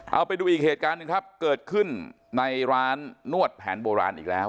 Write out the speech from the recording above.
เอาไปดูอีกเหตุการณ์หนึ่งครับเกิดขึ้นในร้านนวดแผนโบราณอีกแล้ว